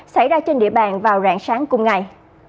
xảy ra trên địa bàn vào rạng sáng cùng ngày